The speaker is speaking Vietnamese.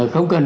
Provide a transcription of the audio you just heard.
không cần để